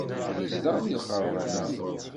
Yezdeɣ deg lqerban-a.